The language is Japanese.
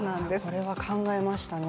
これは考えましたね。